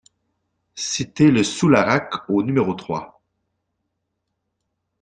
Cité le Soularac au numéro trois